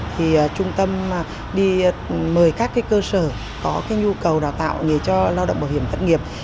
thì trung tâm đi mời các cơ sở có nhu cầu đào tạo nghề cho lao động bảo hiểm thất nghiệp